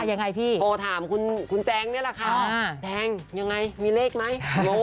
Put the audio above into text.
ยังไงพี่โทรถามคุณแจงนี่แหละค่ะแจงยังไงมีเลขไหม